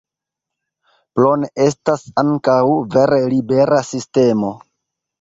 Plone estas ankaŭ vere libera sistemo.